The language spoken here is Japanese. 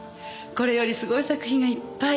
これよりすごい作品がいっぱい。